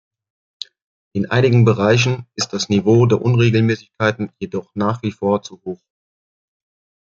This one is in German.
In einigen Bereichen ist das Niveau der Unregelmäßigkeiten jedoch nach wie vor zu hoch.